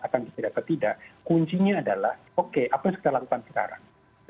akan bisa atau tidak kuncinya adalah oke apa yang kita lakukan sekarang